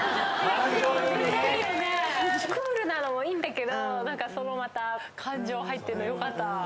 クールなのもいいんだけど感情入ってんのよかった。